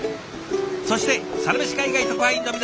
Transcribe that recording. そして「サラメシ海外特派員」の皆さん